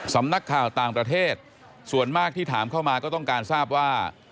สำนักข่าวต่างประเทศส่วนมากที่ถามเข้ามาก็ต้องการทราบว่า